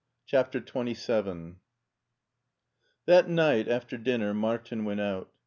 CHAPTiER XXVII THAT night after dinner Martin went out.